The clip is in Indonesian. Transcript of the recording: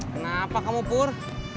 kenapa kamu pur